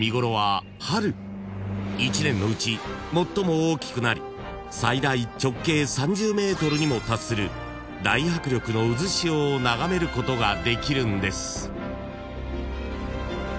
［一年のうち最も大きくなり最大直径３０ｍにも達する大迫力の渦潮を眺めることができるんです］